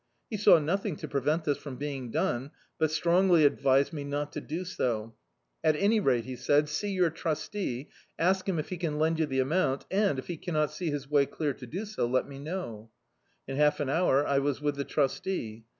He saw nothing to prevent this from being done, but strongly advised me not to do so; "at any rate," he said, "see your trustee, ask him if he can lend you the amount, and, if he cannot see his way clear to do so, let me know I" In half an hour I was with the trustee.